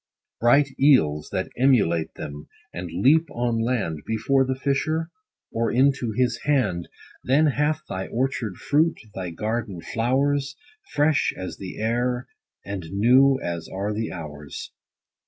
Bright eels that emulate them, and leap on land, Before the fisher, or into his hand, Then hath thy orchard fruit, thy garden flowers, Fresh as the air, and new as are the hours.